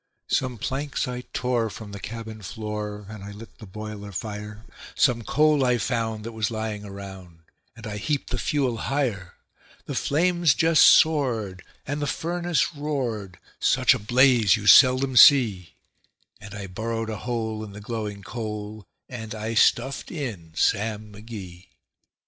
Some planks I tore from the cabin floor, and I lit the boiler fire; Some coal I found that was lying around, and I heaped the fuel higher; The flames just soared, and the furnace roared such a blaze you seldom see; And I burrowed a hole in the glowing coal, and I stuffed in Sam McGee.